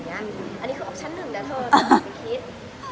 อันนี้คือออปชันหนึ่งนะเธอ